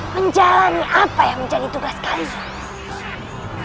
menjalani apa yang menjadi tugas kalian